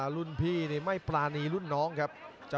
รุ่นพี่นี่ไม่ปรานีรุ่นน้องครับ